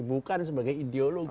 bukan sebagai ideologi